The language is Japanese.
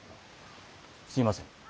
すみません。